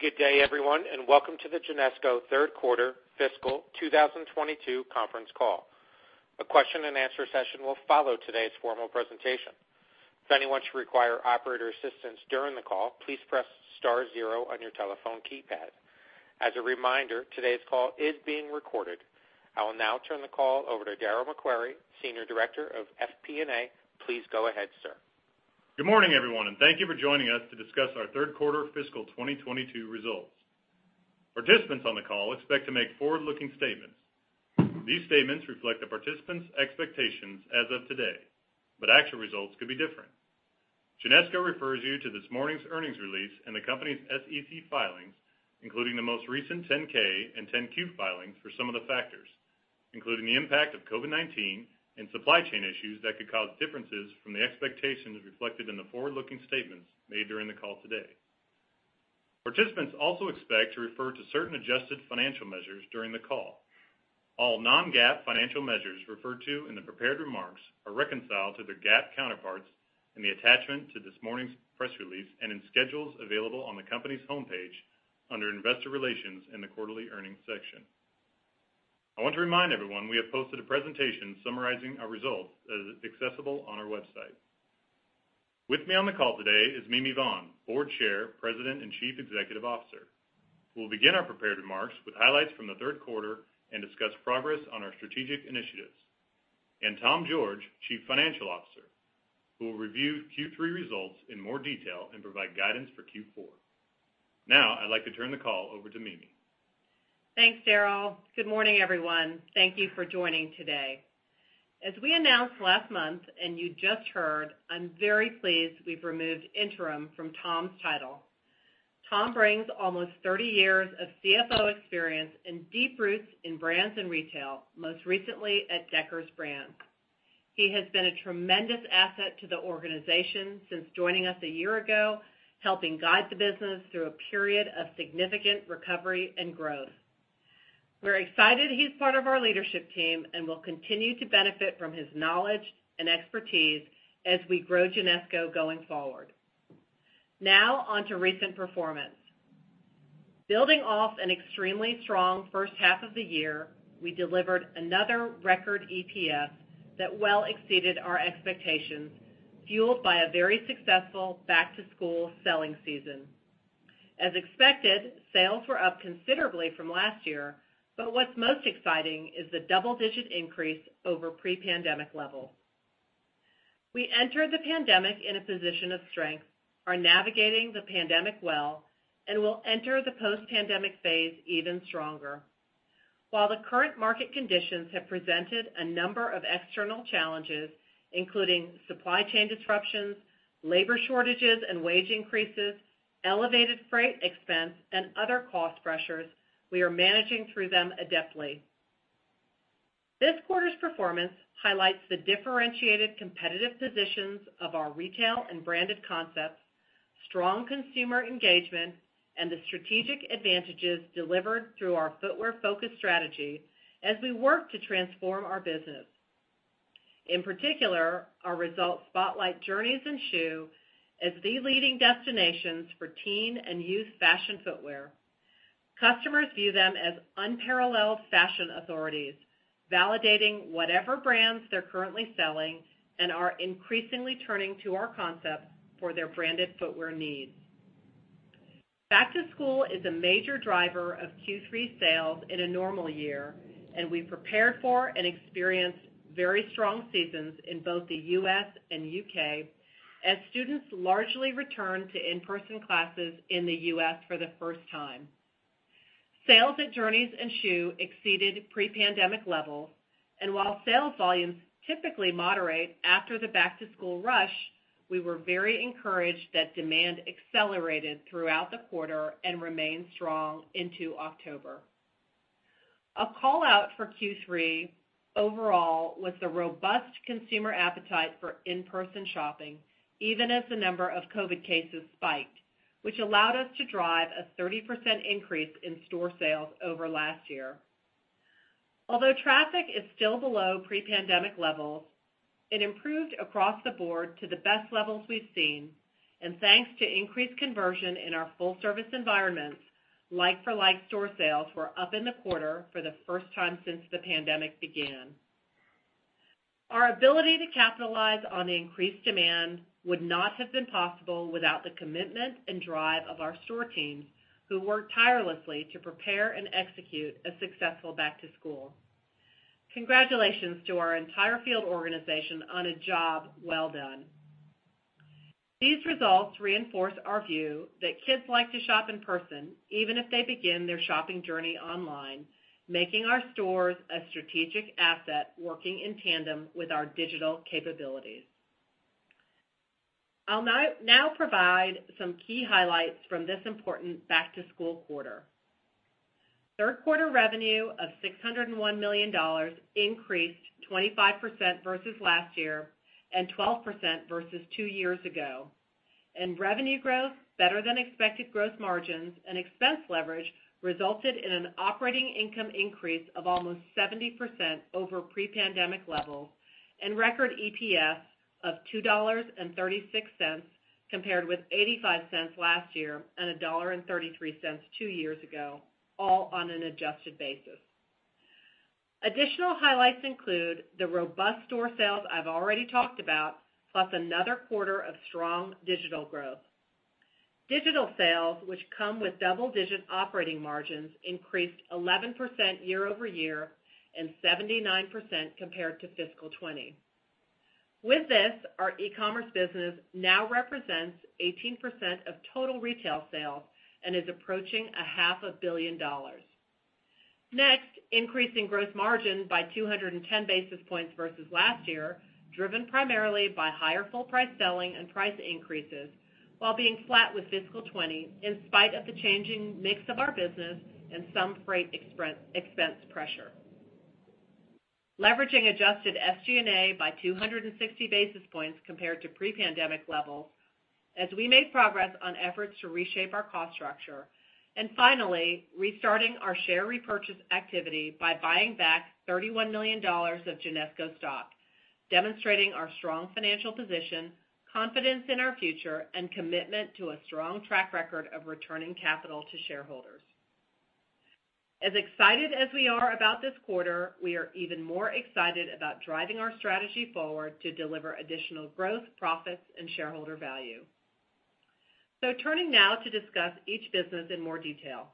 Good day, everyone, and welcome to the Genesco third quarter fiscal 2022 conference call. A question-and-answer session will follow today's formal presentation. If anyone should require operator assistance during the call, please press star zero on your telephone keypad. As a reminder, today's call is being recorded. I will now turn the call over to Darryl MacQuarrie, Senior Director of FP&A. Please go ahead, sir. Good morning, everyone, and thank you for joining us to discuss our third quarter fiscal 2022 results. Participants on the call expect to make forward-looking statements. These statements reflect the participants' expectations as of today, but actual results could be different. Genesco refers you to this morning's earnings release and the company's SEC filings, including the most recent 10-K and 10-Q filings for some of the factors, including the impact of COVID-19 and supply chain issues that could cause differences from the expectations reflected in the forward-looking statements made during the call today. Participants also expect to refer to certain adjusted financial measures during the call. All non-GAAP financial measures referred to in the prepared remarks are reconciled to their GAAP counterparts in the attachment to this morning's press release and in schedules available on the company's homepage under Investor Relations in the Quarterly Earnings section. I want to remind everyone we have posted a presentation summarizing our results that is accessible on our website. With me on the call today is Mimi Vaughn, Board Chair, President, and Chief Executive Officer, who will begin our prepared remarks with highlights from the third quarter and discuss progress on our strategic initiatives, and Tom George, Chief Financial Officer, who will review Q3 results in more detail and provide guidance for Q4. Now, I'd like to turn the call over to Mimi. Thanks, Darryl. Good morning, everyone. Thank you for joining today. As we announced last month, and you just heard, I'm very pleased we've removed interim from Tom's title. Tom brings almost 30 years of CFO experience and deep roots in brands and retail, most recently at Deckers Brands. He has been a tremendous asset to the organization since joining us a year ago, helping guide the business through a period of significant recovery and growth. We're excited he's part of our leadership team and will continue to benefit from his knowledge and expertise as we grow Genesco going forward. Now, on to recent performance. Building off an extremely strong first half of the year, we delivered another record EPS that well exceeded our expectations, fueled by a very successful back-to-school selling season. As expected, sales were up considerably from last year, but what's most exciting is the double-digit increase over pre-pandemic levels. We entered the pandemic in a position of strength, are navigating the pandemic well, and will enter the post-pandemic phase even stronger. While the current market conditions have presented a number of external challenges, including supply chain disruptions, labor shortages and wage increases, elevated freight expense, and other cost pressures, we are managing through them adeptly. This quarter's performance highlights the differentiated competitive positions of our retail and branded concepts, strong consumer engagement, and the strategic advantages delivered through our footwear-focused strategy as we work to transform our business. In particular, our results spotlight Journeys and Schuh as the leading destinations for teen and youth fashion footwear. Customers view them as unparalleled fashion authorities, validating whatever brands they're currently selling and are increasingly turning to our concepts for their branded footwear needs. Back to school is a major driver of Q3 sales in a normal year, and we prepared for and experienced very strong seasons in both the U.S. and U.K. as students largely returned to in-person classes in the U.S. for the first time. Sales at Journeys and Schuh exceeded pre-pandemic levels, and while sales volumes typically moderate after the back-to-school rush, we were very encouraged that demand accelerated throughout the quarter and remained strong into October. A call-out for Q3 overall was the robust consumer appetite for in-person shopping, even as the number of COVID cases spiked, which allowed us to drive a 30% increase in store sales over last year. Although traffic is still below pre-pandemic levels, it improved across the board to the best levels we've seen, and thanks to increased conversion in our full-service environments, like-for-like store sales were up in the quarter for the first time since the pandemic began. Our ability to capitalize on the increased demand would not have been possible without the commitment and drive of our store teams, who worked tirelessly to prepare and execute a successful back to school. Congratulations to our entire field organization on a job well done. These results reinforce our view that kids like to shop in person, even if they begin their shopping journey online, making our stores a strategic asset working in tandem with our digital capabilities. I'll now provide some key highlights from this important back-to-school quarter. Third quarter revenue of $601 million increased 25% versus last year and 12% versus two years ago. Revenue growth, better-than-expected growth margins, and expense leverage resulted in an operating income increase of almost 70% over pre-pandemic levels and record EPS of $2.36. Compared with $0.85 last year and $1.33 two years ago, all on an adjusted basis. Additional highlights include the robust store sales I've already talked about, plus another quarter of strong digital growth. Digital sales, which come with double-digit operating margins, increased 11% year-over-year and 79% compared to fiscal 2020. With this, our e-commerce business now represents 18% of total retail sales and is approaching a half a billion dollars. Next, increasing gross margin by 210 basis points versus last year, driven primarily by higher full-price selling and price increases while being flat with fiscal 2020 in spite of the changing mix of our business and some freight expense pressure. Leveraging adjusted SG&A by 260 basis points compared to pre-pandemic levels as we made progress on efforts to reshape our cost structure. Finally, restarting our share repurchase activity by buying back $31 million of Genesco stock, demonstrating our strong financial position, confidence in our future, and commitment to a strong track record of returning capital to shareholders. As excited as we are about this quarter, we are even more excited about driving our strategy forward to deliver additional growth, profits, and shareholder value. Turning now to discuss each business in more detail.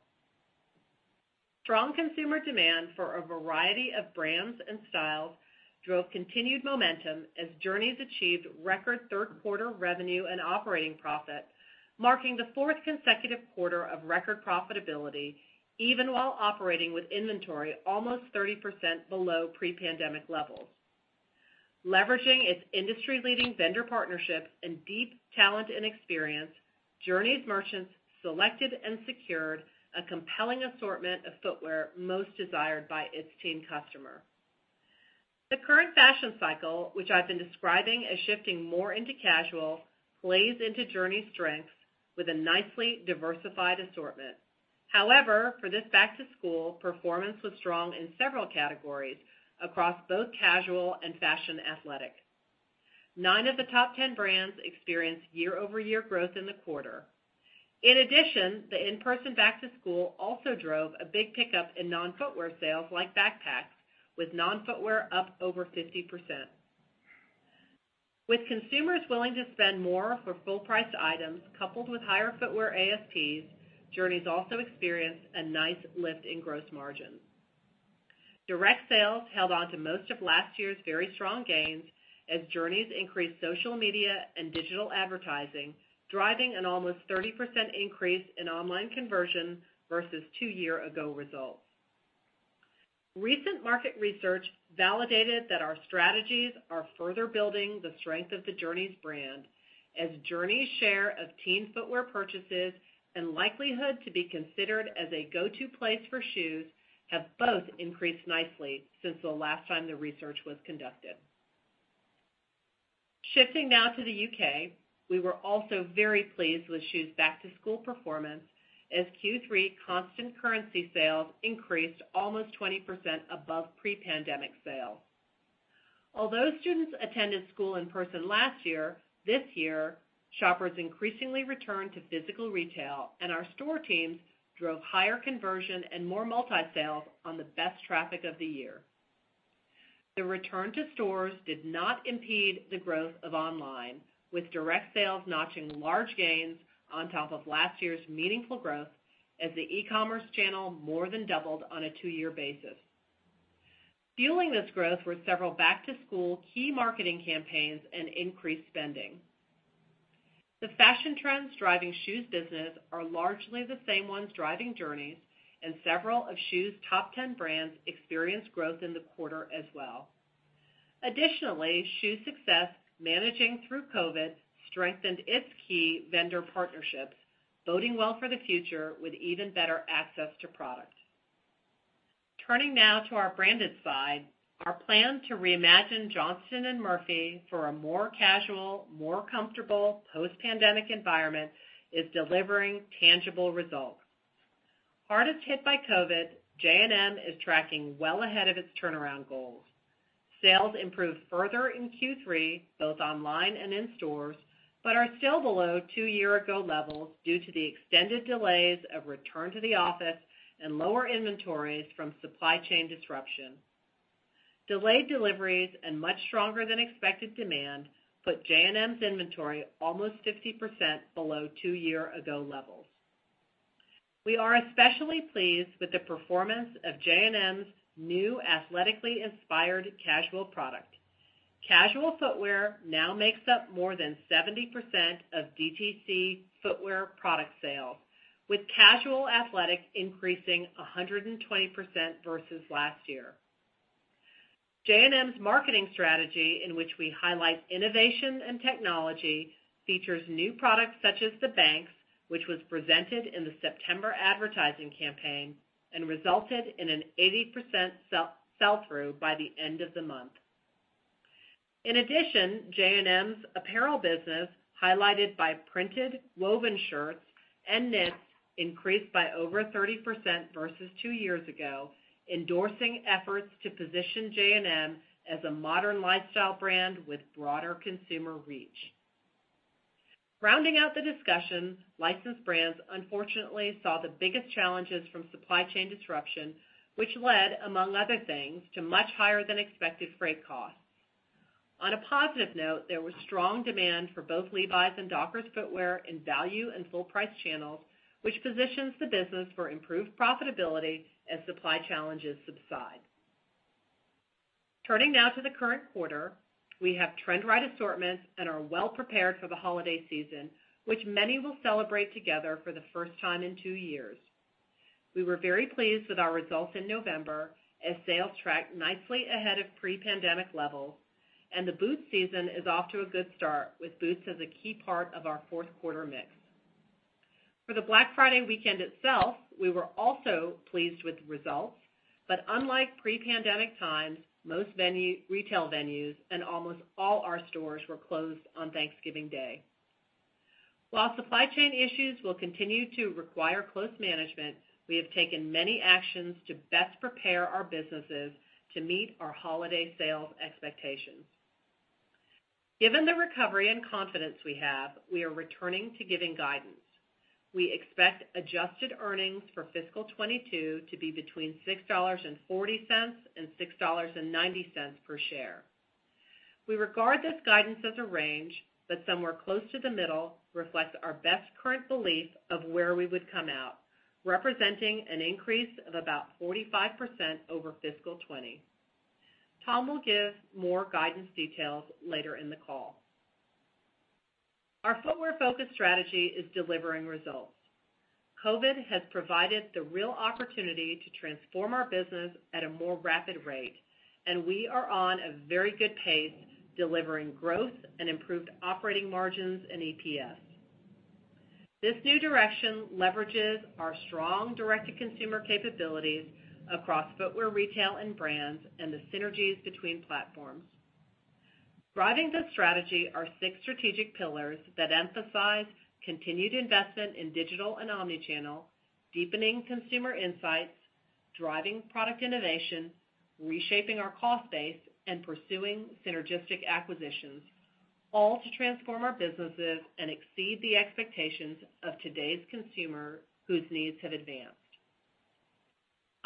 Strong consumer demand for a variety of brands and styles drove continued momentum as Journeys achieved record third quarter revenue and operating profit, marking the fourth consecutive quarter of record profitability, even while operating with inventory almost 30% below pre-pandemic levels. Leveraging its industry-leading vendor partnerships and deep talent and experience, Journeys merchants selected and secured a compelling assortment of footwear most desired by its teen customer. The current fashion cycle, which I've been describing as shifting more into casual, plays into Journeys' strengths with a nicely diversified assortment. However, for this back to school, performance was strong in several categories across both casual and fashion athletic. Nine of the top 10 brands experienced year-over-year growth in the quarter. In addition, the in-person back to school also drove a big pickup in non-footwear sales like backpacks, with non-footwear up over 50%. With consumers willing to spend more for full-price items, coupled with higher footwear ASPs, Journeys also experienced a nice lift in gross margin. Direct sales held on to most of last year's very strong gains as Journeys increased social media and digital advertising, driving an almost 30% increase in online conversions versus two years ago results. Recent market research validated that our strategies are further building the strength of the Journeys brand, as Journeys' share of teen footwear purchases and likelihood to be considered as a go-to place for shoes have both increased nicely since the last time the research was conducted. Shifting now to the U.K., we were also very pleased with Schuh's back-to-school performance as Q3 constant currency sales increased almost 20% above pre-pandemic sales. Although students attended school in person last year, this year, shoppers increasingly returned to physical retail, and our store teams drove higher conversion and more multi-sales on the best traffic of the year. The return to stores did not impede the growth of online, with direct sales notching large gains on top of last year's meaningful growth as the e-commerce channel more than doubled on a two-year basis. Fueling this growth were several back-to-school key marketing campaigns and increased spending. The fashion trends driving schuh's business are largely the same ones driving Journeys, and several of schuh's top 10 brands experienced growth in the quarter as well. Additionally, schuh's success managing through COVID strengthened its key vendor partnerships, boding well for the future with even better access to product. Turning now to our branded side, our plan to reimagine Johnston & Murphy for a more casual, more comfortable post-pandemic environment is delivering tangible results. Hardest hit by COVID, J&M is tracking well ahead of its turnaround goals. Sales improved further in Q3, both online and in stores, but are still below two-year ago levels due to the extended delays of return to the office and lower inventories from supply chain disruption. Delayed deliveries and much stronger than expected demand put J&M's inventory almost 50% below two-year ago levels. We are especially pleased with the performance of J&M's new athletically inspired casual product. Casual footwear now makes up more than 70% of DTC footwear product sales, with casual athletic increasing 120% versus last year. J&M's marketing strategy, in which we highlight innovation and technology, features new products such as the Banks, which was presented in the September advertising campaign and resulted in an 80% sell-through by the end of the month. In addition, J&M's apparel business, highlighted by printed woven shirts and knit increased by over 30% versus two years ago, endorsing efforts to position J&M as a modern lifestyle brand with broader consumer reach. Rounding out the discussion, licensed brands unfortunately saw the biggest challenges from supply chain disruption, which led, among other things, to much higher than expected freight costs. On a positive note, there was strong demand for both Levi's and Dockers footwear in value and full price channels, which positions the business for improved profitability as supply challenges subside. Turning now to the current quarter. We have trend-right assortments and are well prepared for the holiday season, which many will celebrate together for the first time in two years. We were very pleased with our results in November as sales tracked nicely ahead of pre-pandemic levels, and the boot season is off to a good start with boots as a key part of our fourth quarter mix. For the Black Friday weekend itself, we were also pleased with the results, but unlike pre-pandemic times, most retail venues and almost all our stores were closed on Thanksgiving Day. While supply chain issues will continue to require close management, we have taken many actions to best prepare our businesses to meet our holiday sales expectations. Given the recovery and confidence we have, we are returning to giving guidance. We expect adjusted earnings for fiscal 2022 to be between $6.40 and $6.90 per share. We regard this guidance as a range, but somewhere close to the middle reflects our best current belief of where we would come out, representing an increase of about 45% over fiscal 2020. Tom will give more guidance details later in the call. Our footwear-focused strategy is delivering results. COVID has provided the real opportunity to transform our business at a more rapid rate, and we are on a very good pace, delivering growth and improved operating margins and EPS. This new direction leverages our strong direct-to-consumer capabilities across footwear retail and brands and the synergies between platforms. Driving this strategy are six strategic pillars that emphasize continued investment in digital and omnichannel, deepening consumer insights, driving product innovation, reshaping our cost base, and pursuing synergistic acquisitions, all to transform our businesses and exceed the expectations of today's consumer whose needs have advanced.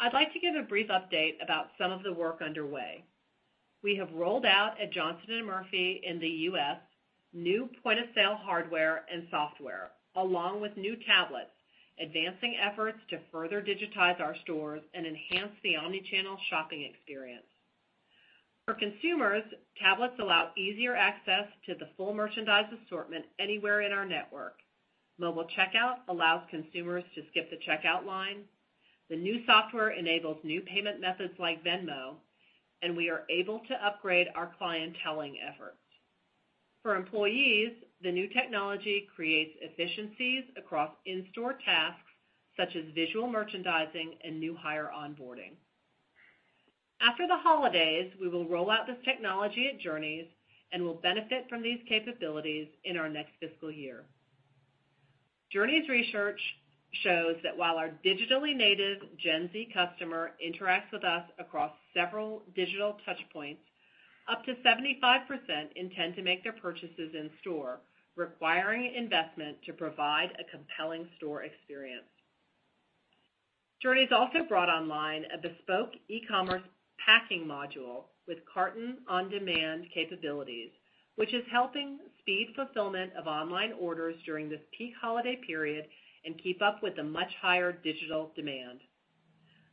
I'd like to give a brief update about some of the work underway. We have rolled out at Johnston & Murphy in the U.S., new point-of-sale hardware and software along with new tablets, advancing efforts to further digitize our stores and enhance the omnichannel shopping experience. For consumers, tablets allow easier access to the full merchandise assortment anywhere in our network. Mobile checkout allows consumers to skip the checkout line. The new software enables new payment methods like Venmo, and we are able to upgrade our clienteling efforts. For employees, the new technology creates efficiencies across in-store tasks such as visual merchandising and new hire onboarding. After the holidays, we will roll out this technology at Journeys and will benefit from these capabilities in our next fiscal year. Journeys research shows that while our digitally native Gen Z customer interacts with us across several digital touch points, up to 75% intend to make their purchases in store, requiring investment to provide a compelling store experience. Journeys also brought online a bespoke e-commerce packing module with carton-on-demand capabilities, which is helping speed fulfillment of online orders during this peak holiday period and keep up with the much higher digital demand.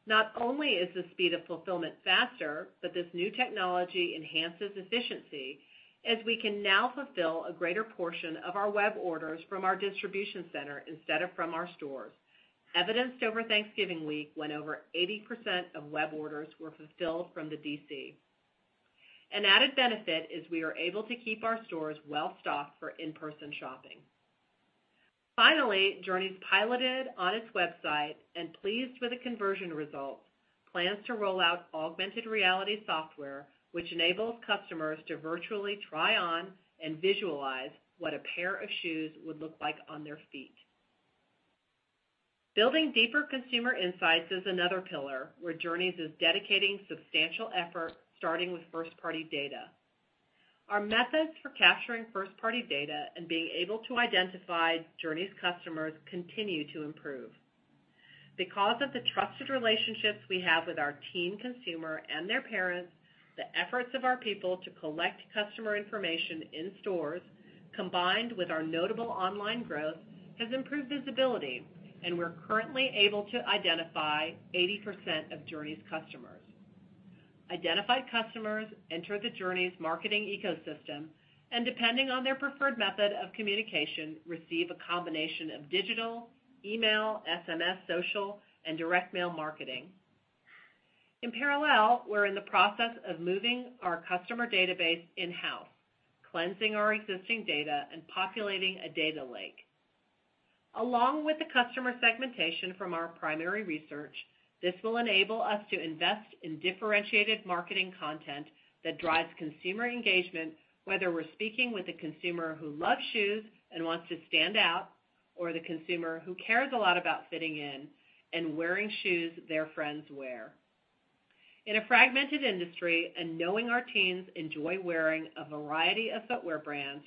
Not only is the speed of fulfillment faster, but this new technology enhances efficiency as we can now fulfill a great portion of our web orders from our distribution center instead of from our stores, evidenced over Thanksgiving week when over 80% of web orders were fulfilled from the DC. An added benefit is we are able to keep our stores well-stocked for in-person shopping. Finally, Journeys piloted on its website and pleased with the conversion results, plans to roll out augmented reality software, which enables customers to virtually try on and visualize what a pair of shoes would look like on their feet. Building deeper consumer insights is another pillar where Journeys is dedicating substantial effort, starting with first-party data. Our methods for capturing first-party data and being able to identify Journeys customers continue to improve. Because of the trusted relationships we have with our teen consumer and their parents, the efforts of our people to collect customer information in stores combined with our notable online growth, has improved visibility, and we're currently able to identify 80% of Journeys customers. Identified customers enter the Journeys marketing ecosystem and, depending on their preferred method of communication, receive a combination of digital, email, SMS, social, and direct mail marketing. In parallel, we're in the process of moving our customer database in-house, cleansing our existing data, and populating a data lake. Along with the customer segmentation from our primary research, this will enable us to invest in differentiated marketing content that drives consumer engagement, whether we're speaking with a consumer who loves shoes and wants to stand out, or the consumer who cares a lot about fitting in and wearing shoes their friends wear. In a fragmented industry and knowing our teens enjoy wearing a variety of footwear brands,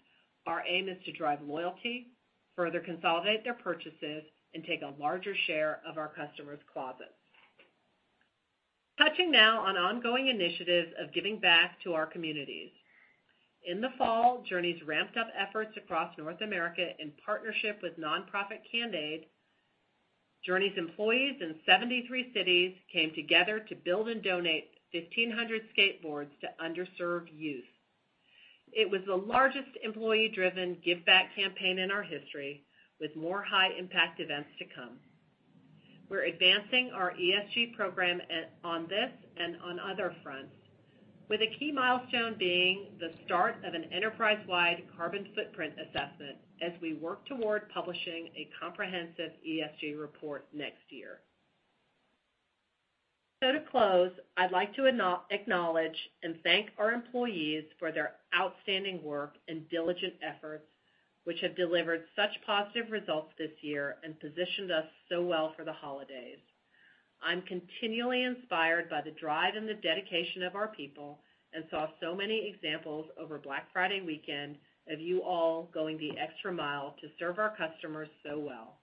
our aim is to drive loyalty, further consolidate their purchases, and take a larger share of our customers' closets. Touching now on ongoing initiatives of giving back to our communities. In the fall, Journeys ramped up efforts across North America in partnership with nonprofit Can'd Aid. Journeys employees in 73 cities came together to build and donate 1,500 skateboards to underserved youth. It was the largest employee-driven give back campaign in our history, with more high-impact events to come. We're advancing our ESG program on this and on other fronts, with a key milestone being the start of an enterprise-wide carbon footprint assessment as we work toward publishing a comprehensive ESG report next year. To close, I'd like to acknowledge and thank our employees for their outstanding work and diligent efforts, which have delivered such positive results this year and positioned us so well for the holidays. I'm continually inspired by the drive and the dedication of our people and saw so many examples over Black Friday weekend of you all going the extra mile to serve our customers so well.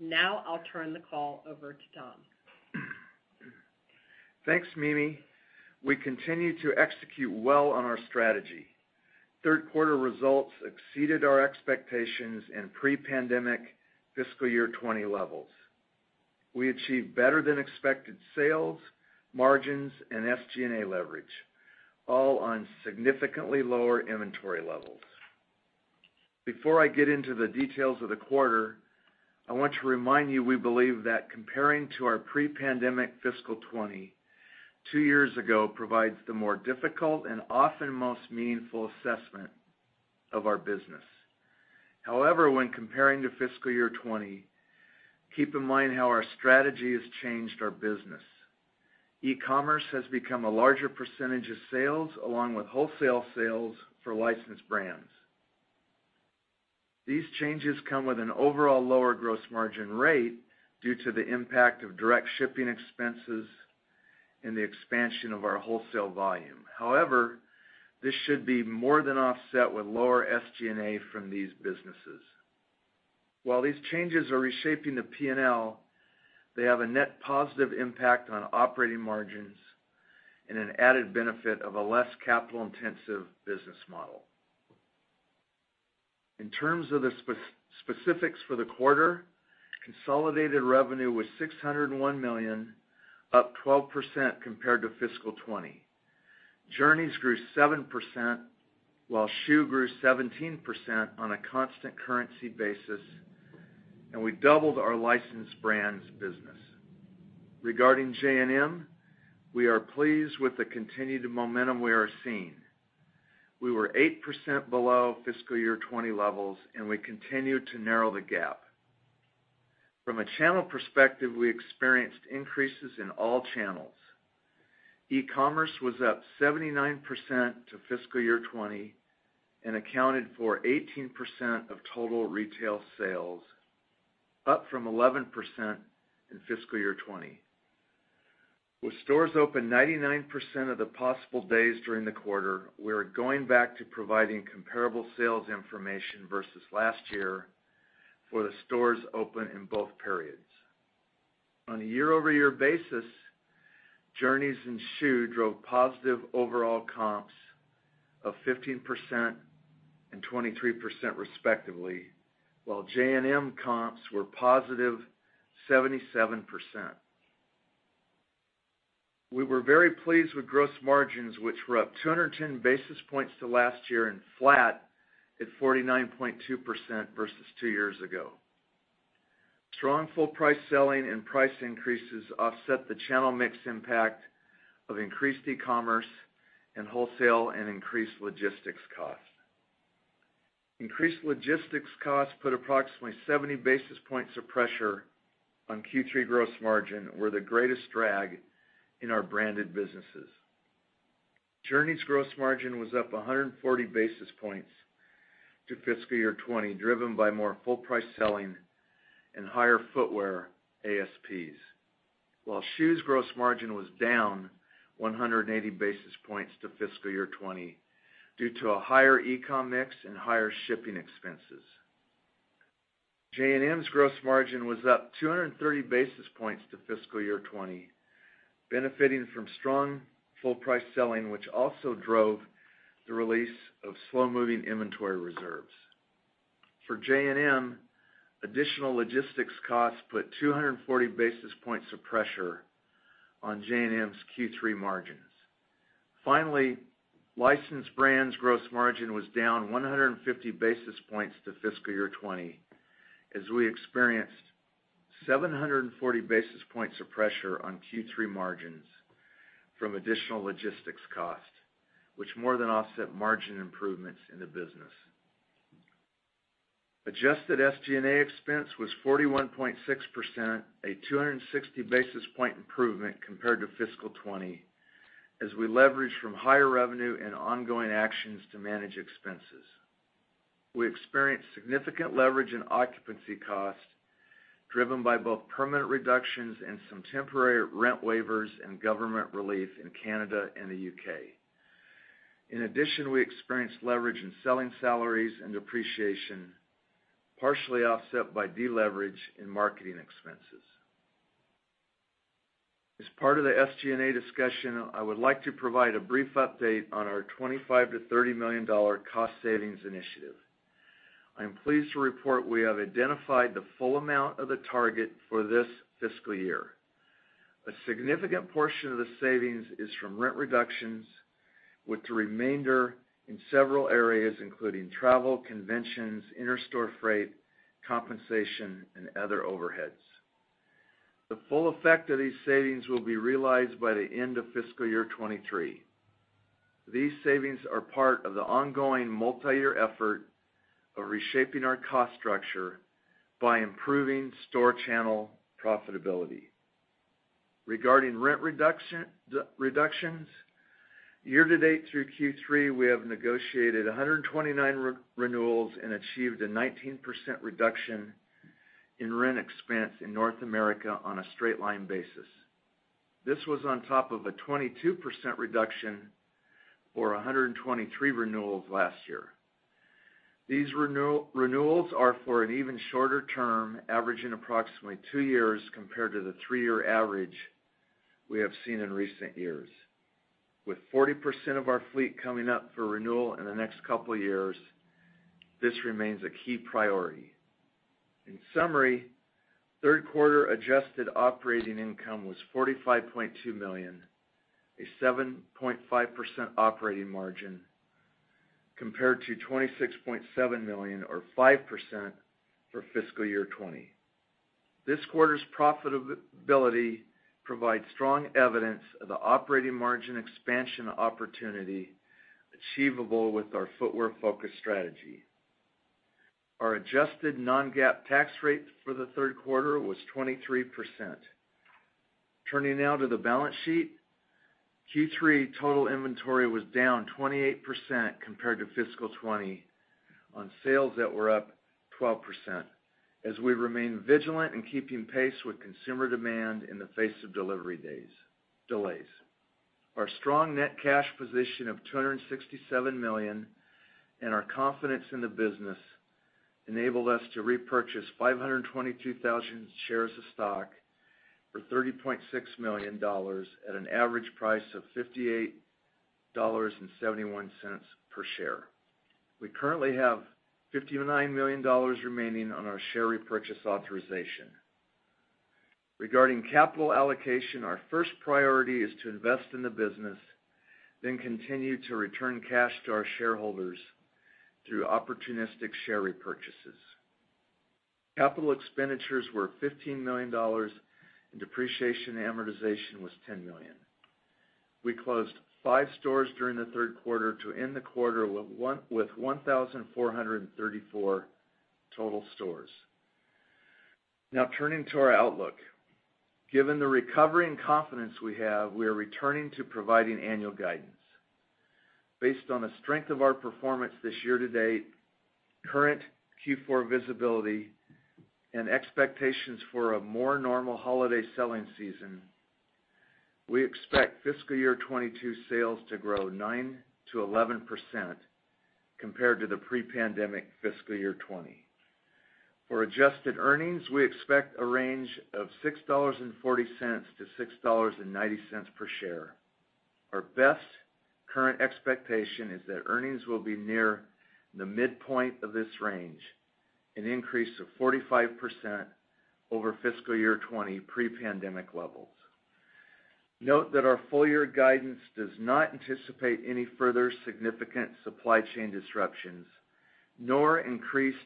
Now I'll turn the call over to Tom. Thanks, Mimi. We continue to execute well on our strategy. Third quarter results exceeded our expectations in pre-pandemic fiscal year 2020 levels. We achieved better than expected sales, margins, and SG&A leverage, all on significantly lower inventory levels. Before I get into the details of the quarter, I want to remind you we believe that comparing to our pre-pandemic fiscal 2020 two years ago provides the more difficult and often most meaningful assessment of our business. However, when comparing to fiscal year 2020, keep in mind how our strategy has changed our business. E-commerce has become a larger percentage of sales along with wholesale sales for licensed brands. These changes come with an overall lower gross margin rate due to the impact of direct shipping expenses and the expansion of our wholesale volume. However, this should be more than offset with lower SG&A from these businesses. While these changes are reshaping the P&L, they have a net positive impact on operating margins and an added benefit of a less capital-intensive business model. In terms of the specifics for the quarter, consolidated revenue was $601 million, up 12% compared to fiscal 2020. Journeys grew 7%, while Schuh grew 17% on a constant currency basis, and we doubled our licensed brands business. Regarding J&M, we are pleased with the continued momentum we are seeing. We were 8% below fiscal year 2020 levels, and we continue to narrow the gap. From a channel perspective, we experienced increases in all channels. E-commerce was up 79% to fiscal year 2020 and accounted for 18% of total retail sales, up from 11% in fiscal year 2020. With stores open 99% of the possible days during the quarter, we are going back to providing comparable sales information versus last year for the stores open in both periods. On a year-over-year basis, Journeys and Schuh drove positive overall comps of 15% and 23% respectively, while J&M comps were positive 77%. We were very pleased with gross margins, which were up 210 basis points to last year and flat at 49.2% versus two years ago. Strong full price selling and price increases offset the channel mix impact of increased e-commerce and wholesale and increased logistics costs. Increased logistics costs put approximately 70 basis points of pressure on Q3 gross margin, were the greatest drag in our branded businesses. Journeys gross margin was up 100 basis points to fiscal year 2020, driven by more full-price selling and higher footwear ASPs. While Schuh's gross margin was down 180 basis points to fiscal year 2020 due to a higher e-com mix and higher shipping expenses. J&M's gross margin was up 230 basis points to fiscal year 2020, benefiting from strong full-price selling, which also drove the release of slow-moving inventory reserves. For J&M, additional logistics costs put 240 basis points of pressure on J&M's Q3 margins. Finally, Licensed Brands gross margin was down 150 basis points to fiscal year 2020, as we experienced 740 basis points of pressure on Q3 margins from additional logistics costs, which more than offset margin improvements in the business. Adjusted SG&A expense was 41.6%, a 260 basis point improvement compared to fiscal 2020, as we leverage from higher revenue and ongoing actions to manage expenses. We experienced significant leverage in occupancy costs, driven by both permanent reductions and some temporary rent waivers and government relief in Canada and the U.K. In addition, we experienced leverage in selling salaries and depreciation, partially offset by deleverage in marketing expenses. As part of the SG&A discussion, I would like to provide a brief update on our $25 million-$30 million cost savings initiative. I am pleased to report we have identified the full amount of the target for this fiscal year. A significant portion of the savings is from rent reductions, with the remainder in several areas, including travel, conventions, interstore freight, compensation, and other overheads. The full effect of these savings will be realized by the end of fiscal year 2023. These savings are part of the ongoing multiyear effort of reshaping our cost structure by improving store channel profitability. Regarding rent reductions, year-to-date through Q3, we have negotiated 129 renewals and achieved a 19% reduction in rent expense in North America on a straight line basis. This was on top of a 22% reduction for 123 renewals last year. These renewals are for an even shorter term, averaging approximately two years compared to the three-year average we have seen in recent years. With 40% of our fleet coming up for renewal in the next couple years, this remains a key priority. In summary, third quarter adjusted operating income was $45.2 million, a 7.5% operating margin compared to $26.7 million or 5% for fiscal year 2020. This quarter's profitability provides strong evidence of the operating margin expansion opportunity achievable with our footwear focus strategy. Our adjusted non-GAAP tax rate for the third quarter was 23%. Turning now to the balance sheet. Q3 total inventory was down 28% compared to fiscal 2020 on sales that were up 12% as we remain vigilant in keeping pace with consumer demand in the face of delivery day delays. Our strong net cash position of $267 million and our confidence in the business enabled us to repurchase 522,000 shares of stock for $30.6 million at an average price of $58.71 per share. We currently have $59 million remaining on our share repurchase authorization. Regarding capital allocation, our first priority is to invest in the business, then continue to return cash to our shareholders through opportunistic share repurchases. Capital expenditures were $15 million, and depreciation and amortization was $10 million. We closed 5 stores during the third quarter to end the quarter with 1,434 total stores. Now turning to our outlook. Given the recovery and confidence we have, we are returning to providing annual guidance. Based on the strength of our performance this year-to-date, current Q4 visibility, and expectations for a more normal holiday selling season, we expect fiscal year 2022 sales to grow 9%-11% compared to the pre-pandemic fiscal year 2020. For adjusted earnings, we expect a range of $6.40-$6.90 per share. Our best current expectation is that earnings will be near the midpoint of this range, an increase of 45% over fiscal year 2020 pre-pandemic levels. Note that our full year guidance does not anticipate any further significant supply chain disruptions, nor increased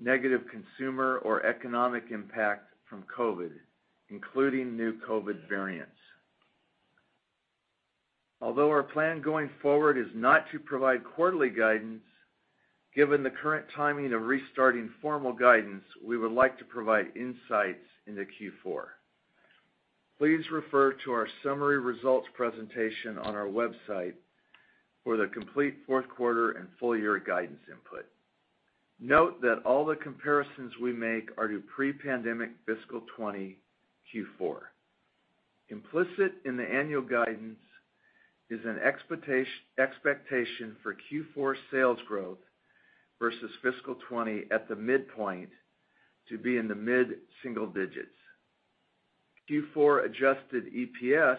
negative consumer or economic impact from COVID, including new COVID variants. Although our plan going forward is not to provide quarterly guidance, given the current timing of restarting formal guidance, we would like to provide insights into Q4. Please refer to our summary results presentation on our website for the complete fourth quarter and full year guidance input. Note that all the comparisons we make are to pre-pandemic fiscal 2020 Q4. Implicit in the annual guidance is an expectation for Q4 sales growth versus fiscal '20 at the midpoint to be in the mid-single digits%. Q4 adjusted EPS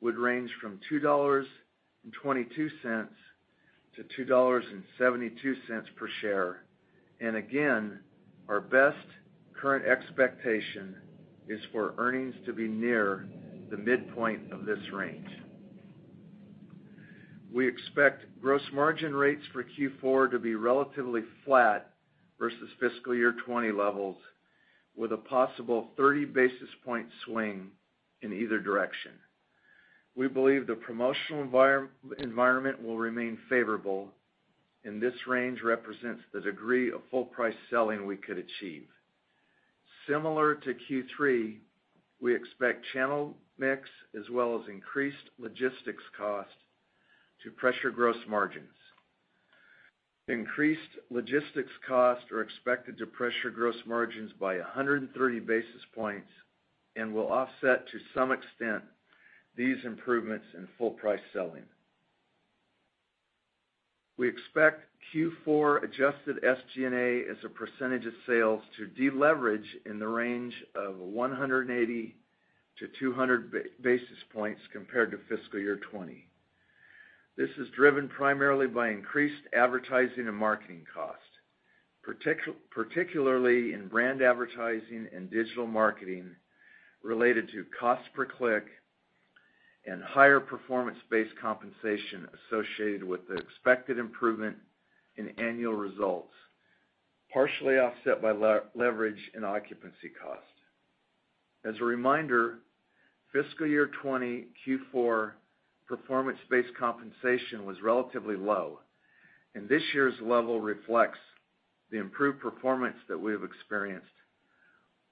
would range from $2.22-$2.72 per share. Again, our best current expectation is for earnings to be near the midpoint of this range. We expect gross margin rates for Q4 to be relatively flat versus fiscal year '20 levels, with a possible 30 basis point swing in either direction. We believe the promotional environment will remain favorable, and this range represents the degree of full price selling we could achieve. Similar to Q3, we expect channel mix as well as increased logistics costs to pressure gross margins. Increased logistics costs are expected to pressure gross margins by 130 basis points and will offset to some extent these improvements in full price selling. We expect Q4 adjusted SG&A as a percentage of sales to deleverage in the range of 180-200 basis points compared to fiscal year 2020. This is driven primarily by increased advertising and marketing costs, particularly in brand advertising and digital marketing related to cost per click and higher performance-based compensation associated with the expected improvement in annual results, partially offset by leverage and occupancy costs. As a reminder, fiscal year 2020 Q4 performance-based compensation was relatively low, and this year's level reflects the improved performance that we have experienced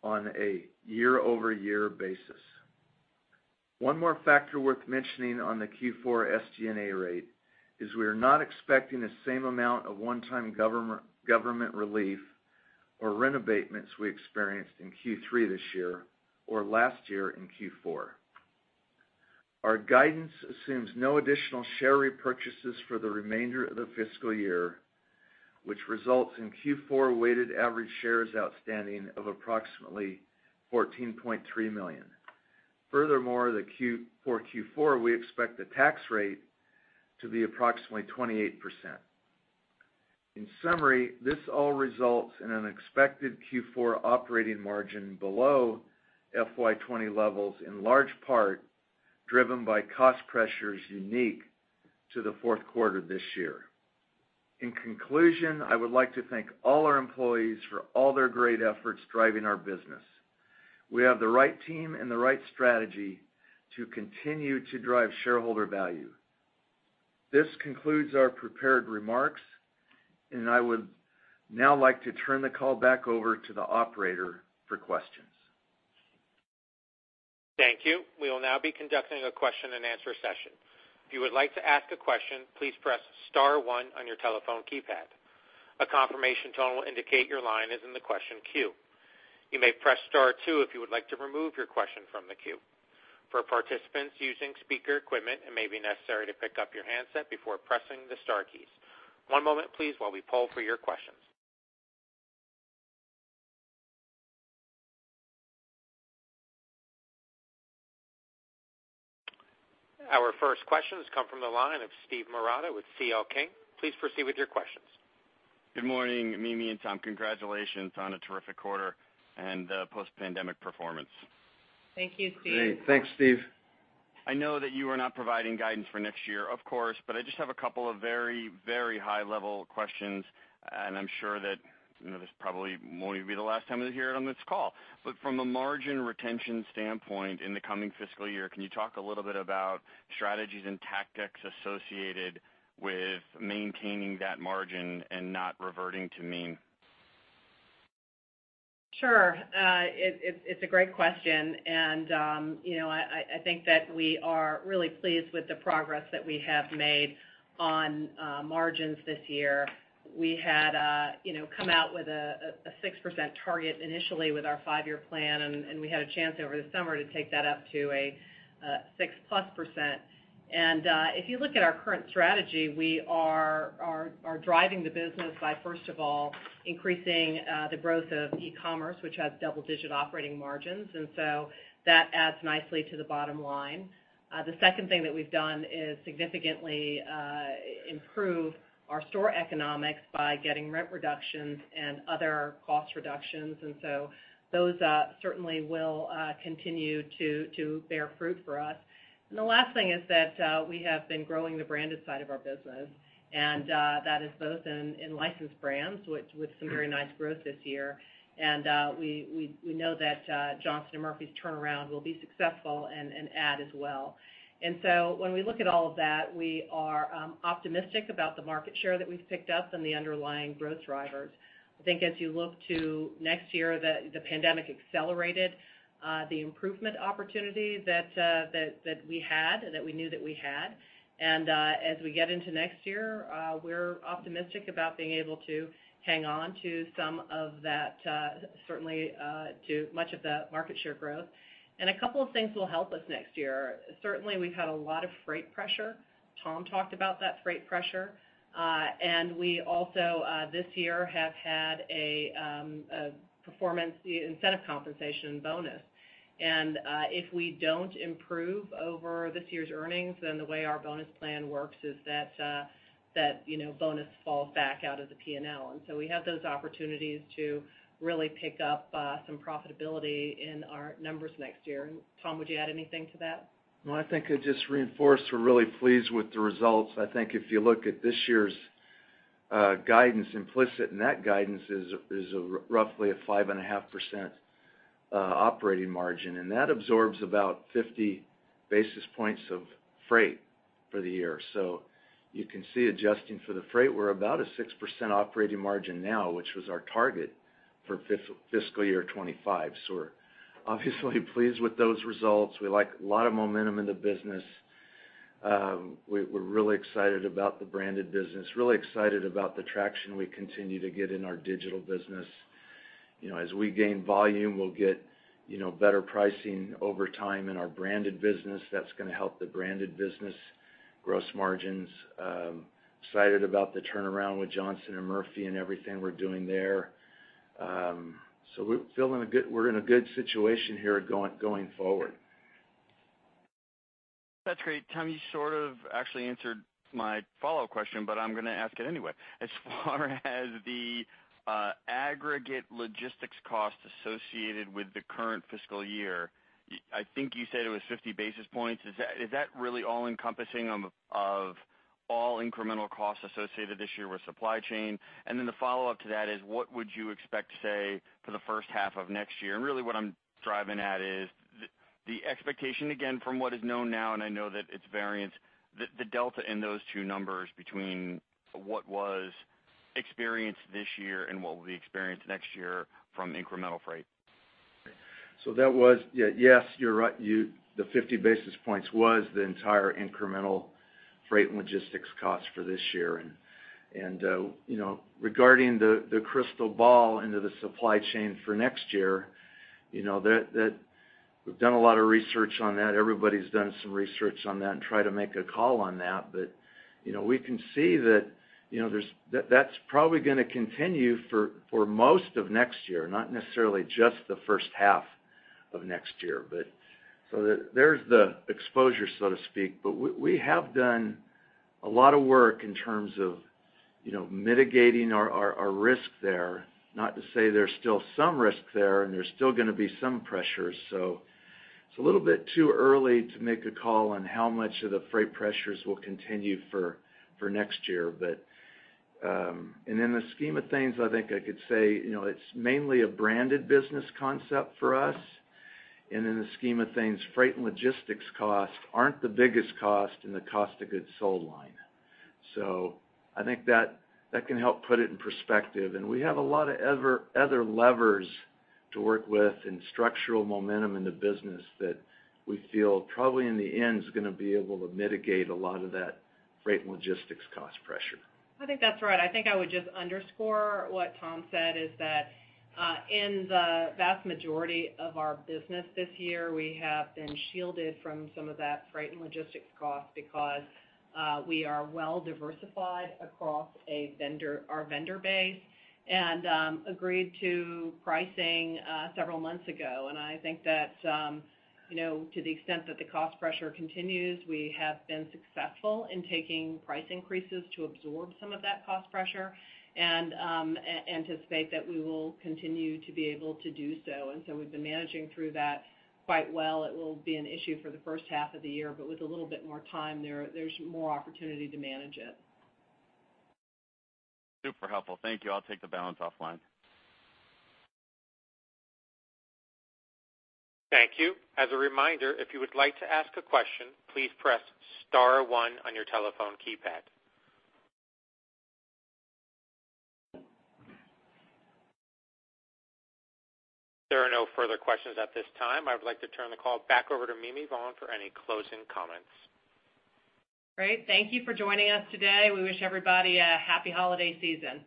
on a year-over-year basis. One more factor worth mentioning on the Q4 SG&A rate is we are not expecting the same amount of one-time government relief or rent abatements we experienced in Q3 this year or last year in Q4. Our guidance assumes no additional share repurchases for the remainder of the fiscal year, which results in Q4 weighted average shares outstanding of approximately 14.3 million. Furthermore, for Q4, we expect the tax rate to be approximately 28%. In summary, this all results in an expected Q4 operating margin below fiscal 2020 levels, in large part driven by cost pressures unique to the fourth quarter this year. In conclusion, I would like to thank all our employees for all their great efforts driving our business. We have the right team and the right strategy to continue to drive shareholder value. This concludes our prepared remarks, and I would now like to turn the call back over to the operator for questions. Thank you. We will now be conducting a question-and-answer session. If you would like to ask a question, please press star one on your telephone keypad. A confirmation tone will indicate your line is in the question queue. You may press star two if you would like to remove your question from the queue. For participants using speaker equipment, it may be necessary to pick up your handset before pressing the star keys. One moment, please, while we poll for your questions. Our first question has come from the line of Steve Marotta with C.L. King. Please proceed with your questions. Good morning, Mimi and Tom. Congratulations on a terrific quarter and post-pandemic performance. Thank you, Steve. Great. Thanks, Steve. I know that you are not providing guidance for next year, of course, but I just have a couple of very, very high-level questions, and I'm sure that, you know, this probably won't even be the last time you'll hear it on this call. From a margin retention standpoint in the coming fiscal year, can you talk a little bit about strategies and tactics associated with maintaining that margin and not reverting to mean? Sure. It's a great question, and you know, I think that we are really pleased with the progress that we have made on margins this year. We had come out with a 6% target initially with our five-year plan, and we had a chance over the summer to take that up to a 6%+. If you look at our current strategy, we are driving the business by, first of all, increasing the growth of e-commerce, which has double-digit operating margins. That adds nicely to the bottom line. The second thing that we've done is significantly improve our store economics by getting rent reductions and other cost reductions. Those certainly will continue to bear fruit for us. The last thing is that we have been growing the branded side of our business, and that is both in licensed brands, which with some very nice growth this year. We know that Johnston & Murphy's turnaround will be successful and add as well. When we look at all of that, we are optimistic about the market share that we've picked up and the underlying growth drivers. I think as you look to next year, the pandemic accelerated the improvement opportunity that we had, that we knew that we had. As we get into next year, we're optimistic about being able to hang on to some of that, certainly to much of the market share growth. A couple of things will help us next year. Certainly, we've had a lot of freight pressure. Tom talked about that freight pressure. We also this year have had a performance incentive compensation bonus. If we don't improve over this year's earnings, then the way our bonus plan works is that you know bonus falls back out of the P&L. We have those opportunities to really pick up some profitability in our numbers next year. Tom, would you add anything to that? No, I think I'd just reinforce we're really pleased with the results. I think if you look at this year's guidance, implicit in that guidance is a roughly 5.5% operating margin, and that absorbs about 50 basis points of freight for the year. You can see adjusting for the freight, we're about a 6% operating margin now, which was our target for fiscal year 2025. We're obviously pleased with those results. We like a lot of momentum in the business. We're really excited about the branded business, really excited about the traction we continue to get in our digital business. You know, as we gain volume, we'll get, you know, better pricing over time in our branded business. That's gonna help the branded business gross margins. Excited about the turnaround with Johnston & Murphy and everything we're doing there. We're in a good situation here going forward. That's great. Tom, you sort of actually answered my follow-up question, but I'm gonna ask it anyway. As far as the aggregate logistics costs associated with the current fiscal year, I think you said it was 50 basis points. Is that really all-encompassing of all incremental costs associated this year with supply chain? And then the follow-up to that is, what would you expect to say for the first half of next year? And really what I'm driving at is the expectation again from what is known now, and I know that it's variable, the delta in those two numbers between what was experienced this year and what will be experienced next year from incremental freight. That was the 50 basis points was the entire incremental freight and logistics cost for this year. You know, regarding the crystal ball into the supply chain for next year, you know, we've done a lot of research on that. Everybody's done some research on that and try to make a call on that. You know, we can see that, you know, that's probably gonna continue for most of next year, not necessarily just the first half of next year. There's the exposure, so to speak. We have done a lot of work in terms of, you know, mitigating our risk there. Not to say there's still some risk there, and there's still gonna be some pressures. It's a little bit too early to make a call on how much of the freight pressures will continue for next year. In the scheme of things, I think I could say, you know, it's mainly a branded business concept for us. In the scheme of things, freight and logistics costs aren't the biggest cost in the cost of goods sold line. I think that can help put it in perspective. We have a lot of other levers to work with and structural momentum in the business that we feel probably in the end is gonna be able to mitigate a lot of that freight and logistics cost pressure. I think that's right. I think I would just underscore what Tom said is that, in the vast majority of our business this year, we have been shielded from some of that freight and logistics cost because we are well-diversified across our vendor base and agreed to pricing several months ago. I think that, you know, to the extent that the cost pressure continues, we have been successful in taking price increases to absorb some of that cost pressure and anticipate that we will continue to be able to do so. We've been managing through that quite well. It will be an issue for the first half of the year, but with a little bit more time there's more opportunity to manage it. Super helpful. Thank you. I'll take the balance offline. Thank you. As a reminder, if you would like to ask a question, please press star one on your telephone keypad. There are no further questions at this time. I would like to turn the call back over to Mimi Vaughn for any closing comments. Great. Thank you for joining us today. We wish everybody a happy holiday season.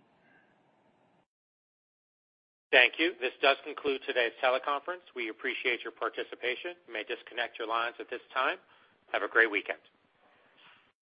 Thank you. This does conclude today's teleconference. We appreciate your participation. You may disconnect your lines at this time. Have a great weekend.